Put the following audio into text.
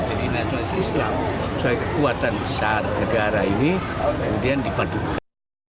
jadi nasionalis islam sesuai kekuatan besar negara ini kemudian dipadukan